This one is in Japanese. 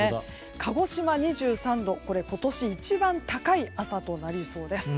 鹿児島２３度、今年一番高い朝となりそうです。